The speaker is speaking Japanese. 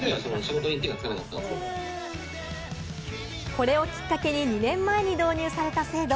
これをきっかけに、２年前に導入された制度。